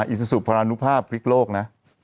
อิสุสุพระอนุภาพฤกษ์โลกนะ